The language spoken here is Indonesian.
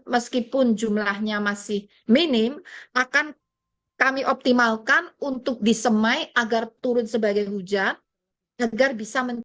meskipun jumlahnya masih minim akan kami optimalkan untuk disemai agar turun sebagai hujan